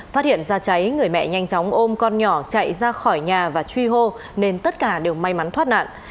phát hiện ra cháy người mẹ nhanh chóng ôm con nhỏ chạy ra khỏi nhà và truy hô nên tất cả đều may mắn thoát nạn